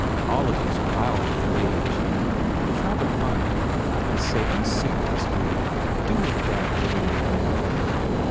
Olive was wild with rage. But it was rather fun. I say, I m sick of this, Gurdy. Do make dad order me home."